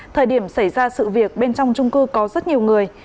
thời điểm xảy ra sự việc bên trong trung cư có rất nhiều người